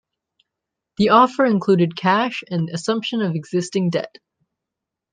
The offer included cash and assumption of existing debt.